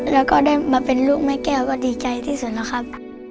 แล้วก็ได้มาเป็นลูกแม่แก้วก็ดีใจที่สุดนะครับ